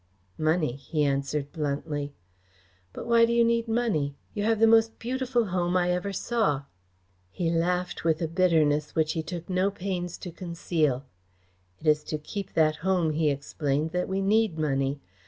"Money," he answered bluntly. "But why do you need money? You have the most beautiful home I ever saw." He laughed with a bitterness which he took no pains to conceal. "It is to keep that home," he explained, "that we need money.